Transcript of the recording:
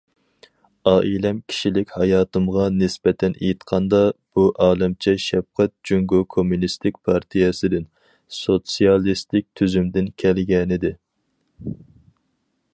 ئائىلەم، كىشىلىك ھاياتىمغا نىسبەتەن ئېيتقاندا، بۇ ئالەمچە شەپقەت جۇڭگو كوممۇنىستىك پارتىيەسىدىن، سوتسىيالىستىك تۈزۈمدىن كەلگەنىدى.